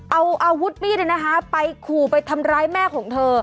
เอาอาวุธมีดไปขู่ไปทำร้ายแม่ของเธอ